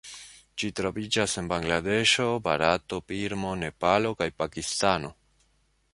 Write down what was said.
Ĝi troviĝas en Bangladeŝo, Barato, Birmo, Nepalo kaj Pakistano.